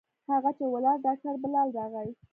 هغه چې ولاړ ډاکتر بلال راغى.